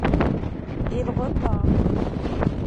Il repart.